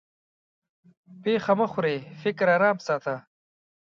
پېښه مه خورې؛ فکر ارام ساته.